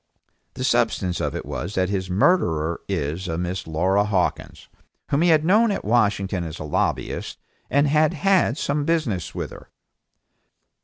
The substance of it was that his murderess is a Miss Laura Hawkins, whom he had known at Washington as a lobbyist and had some business with her.